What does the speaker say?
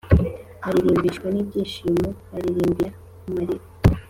Baririmbishwe n ibyishimo Baririmbire ku mariri